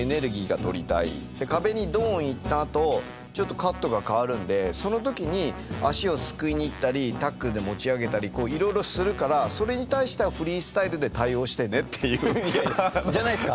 壁にドン行ったあとちょっとカットが変わるんでその時に足をすくいに行ったりタックルで持ち上げたりいろいろするからそれに対してはじゃないですか。